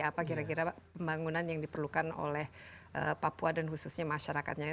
apa kira kira pembangunan yang diperlukan oleh papua dan khususnya masyarakatnya